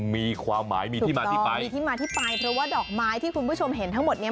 มีความหมายมีที่มาที่ไปมีที่มาที่ไปเพราะว่าดอกไม้ที่คุณผู้ชมเห็นทั้งหมดเนี่ย